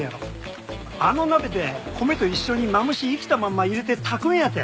あの鍋で米と一緒にマムシ生きたまんま入れて炊くんやて。